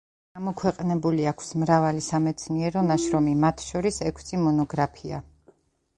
გამოქვეყნებული აქვს მრავალი სამეცნიერო ნაშრომი, მათ შორის ექვსი მონოგრაფია.